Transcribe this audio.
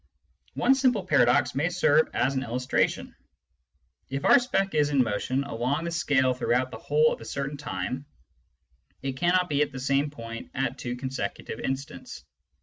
One simple paradox may serve as an illustration. If our speck is in motion along the scale throughout the whole of a certain time, it cannot be at the same point at two consecutive instants.